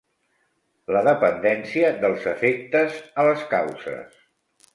La dependència dels efectes a les causes.